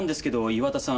岩田さん